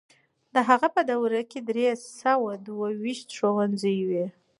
د هغه په دوره کې درې سوه دوه ويشت ښوونځي وو.